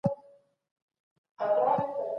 حقوقپوهان به ګډي ناستي جوړوي.